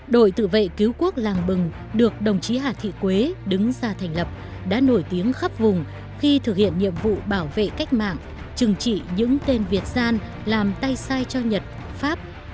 đội tự vệ cứu quốc làng bừng được đồng chí hà thị quế đứng ra thành lập đã nổi tiếng khắp vùng khi thực hiện nhiệm vụ bảo vệ cách mạng trừng trị những tên việt gian làm tay sai cho nhật pháp